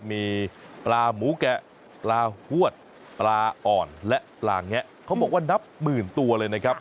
มีปลาหมูแกะปลาหวดปลาอ่อนและปลาแงะเขาบอกว่านับหมื่นตัวเลยนะครับ